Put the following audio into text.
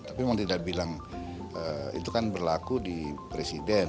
tapi memang tidak bilang itu kan berlaku di presiden